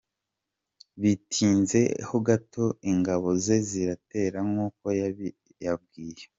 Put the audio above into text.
Bitinze ho gato ingabo ze ziratera nk ‘ukö yabibabwiye.